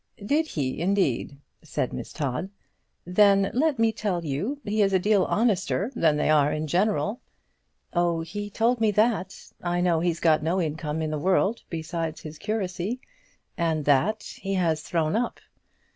"Did he, indeed?" said Miss Todd; "then let me tell you he is a deal honester than they are in general." "Oh, he told me that. I know he's got no income in the world besides his curacy, and that he has thrown up."